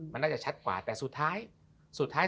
มันน่าจะชัดกว่าแต่สุดท้าย